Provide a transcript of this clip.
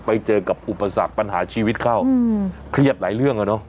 ไปเจอกับอุปสรรคปัญหาชีวิตเข้าเครียดหลายเรื่องอ่ะเนอะ